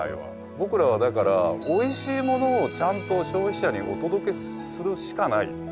僕らはだからおいしいものをちゃんと消費者にお届けするしかない。